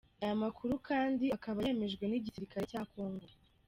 Aya makuru kandi akaba yemejwe n’igisirikare cya Congo.